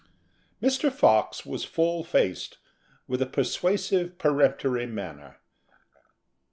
Mr. Fox was full faced, with a persuasive, peremptory manner.